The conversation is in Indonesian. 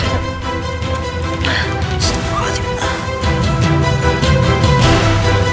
aku sudah tidak mau lagi